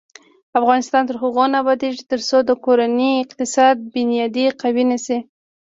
افغانستان تر هغو نه ابادیږي، ترڅو د کورنۍ اقتصادي بنیادي قوي نشي.